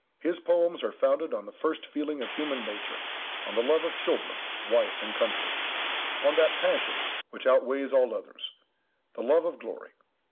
His poems are founded on the first feeling of human nature; on the love of children, wife, and country; on that passion which outweighs all others, the love of glory.